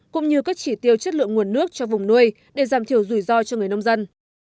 cũng như các chỉ tiêu chất lượng nguồn nước cho vùng nuôi để giảm thiểu rủi ro cho người nông dân